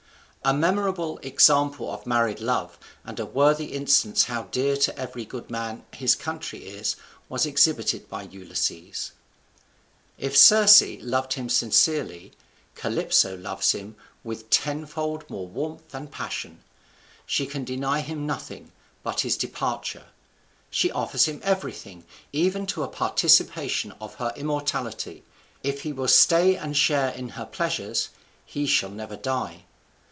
A memorable example of married love, and a worthy instance how dear to every good man his country is, was exhibited by Ulysses. If Circe loved him sincerely, Calypso loves him with tenfold more warmth and passion: she can deny him nothing, but his departure; she offers him everything, even to a participation of her immortality if he will stay and share in her pleasures, he shall never die.